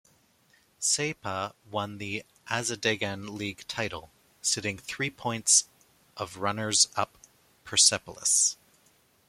Saipa won the Azadegan League title, sitting three points of runners-up Persepolis.